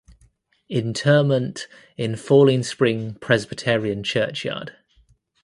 Interment in Falling Spring Presbyterian Churchyard.